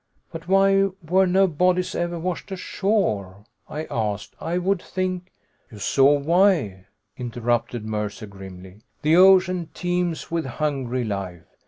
"But why were no bodies ever washed ashore?" I asked. "I would think " "You saw why," interrupted Mercer grimly. "The ocean teems with hungry life.